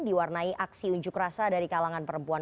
diwarnai aksi unjuk rasa dari kalangan perempuan